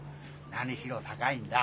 何しろ高いんだ。